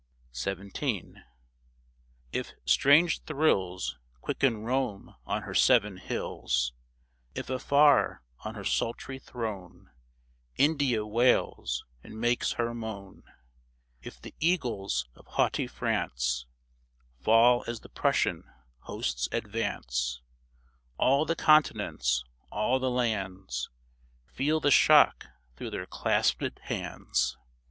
XVII. If strange thrills Quicken Rome on her seven hills ; If afar on her sultry throne India wails and makes her moan ; If the eagles of haughty France Fall as the Prussian hosts advance, All the continents, all the lands, Feel the shock through their clasped hands.